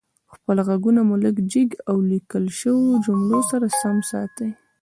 خپل غږونه مو لږ جګ او ليکل شويو جملو سره سم ساتئ